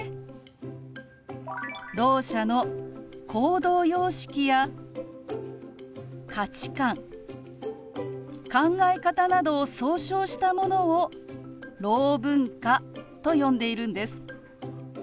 ろう者の行動様式や価値観考え方などを総称したものをろう文化と呼んでいるんです。